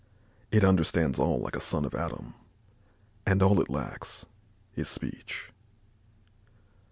It understands all like a son of Adam, and all it lacks is speech."